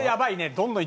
どんどん。